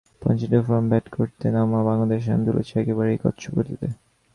পচেফস্ট্রুমে প্রথমে ব্যাট করতে নামা বাংলাদেশ রান তুলেছে একেবারেই কচ্ছপ গতিতে।